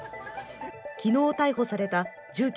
昨日逮捕された住所